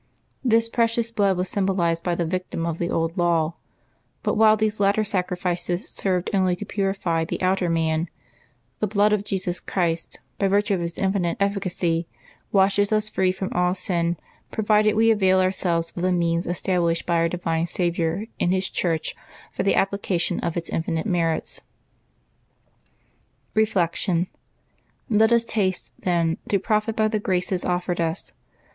This precious blood was symbolized by the victim of the Old Law; but while these latter sacrifices served only to purify the outer man, the blood of Jesus Christ, by virtue of its infinite efficacy, washes us free from all sin, provided we avail ourselves of the means established by our divine Saviour in His Church for the application of its infinite merits. Reflection. — Let us haste, then, to profit by the graces offered us.